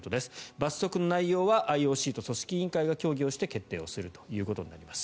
罰則の内容はＩＯＣと組織委員会が協議をして決定することになります。